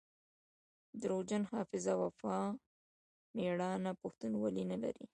دروغجن حافظه وفا ميړانه پښتونولي نلري